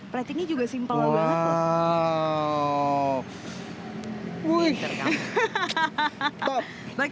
platingnya juga simpel banget